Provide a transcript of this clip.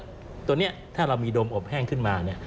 ตัวนี้ถ้าเรามีดมอบแห้งขึ้นมา